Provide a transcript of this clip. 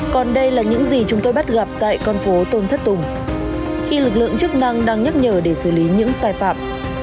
còn đây là những gì chúng tôi bắt gặp tại con phố tôn thất tùng khi lực lượng chức năng đang nhắc nhở để xử lý những sai phạm